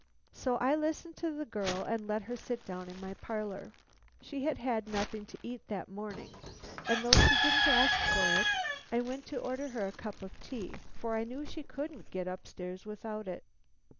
"So I listened to the girl and let her sit down in my parlor. She had had nothing to eat that morning, and though she didn't ask for it, I went to order her a cup of tea, for I knew she couldn't get up stairs without it.